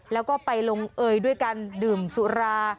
แล้วก็ไปลงเอยด้วยการดื่มสุรา